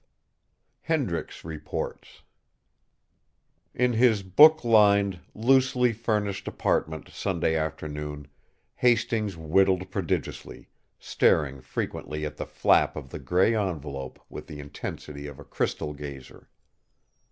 XII HENDRICKS REPORTS In his book lined, "loosely furnished" apartment Sunday afternoon Hastings whittled prodigiously, staring frequently at the flap of the grey envelope with the intensity of a crystal gazer.